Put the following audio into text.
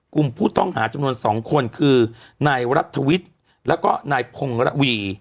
กลุ่มผู้ต้องหาจำนวน๒คนคือนายรัฐวิทย์แล้วก็นายพงระวี